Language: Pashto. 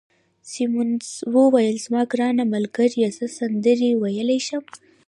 سیمونز وویل: زما ګرانه ملګرې، زه سندرې ویلای شم.